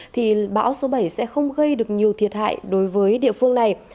thì bão số bảy sẽ không gây được nhiều thiệt hại đối với địa phương này